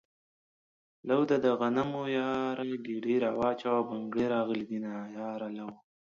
لو ده دغنمو ياره ګيډی را واچوه بنګړي راغلي دينه ياره لو